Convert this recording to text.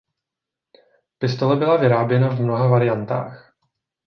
Pistole byla vyráběna v mnoha variantách.